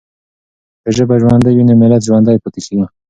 که ژبه ژوندۍ وي نو ملت ژوندی پاتې کېږي.